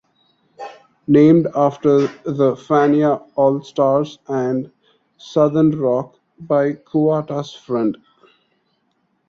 Named after the "Fania All-Stars" and "Southern rock" by Kuwata's friend.